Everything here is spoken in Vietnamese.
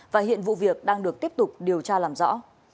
và hiện vụ việc đang được tiếp tục điều tra làm rõ